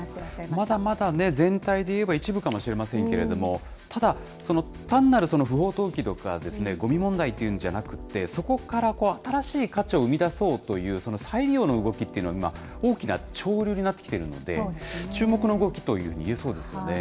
まだまだ全体で言えば一部かもしれませんけれども、ただ、単なる不法投棄とか、ごみ問題というんじゃなくて、そこから新しい価値を生み出そうという、その再利用の動きっていうのは、今、大きな潮流になってきているので、注目の動きというふうに言えそうですね。